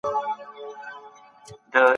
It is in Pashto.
ماشومان باید د خپل هېواد شتمني وپېژني.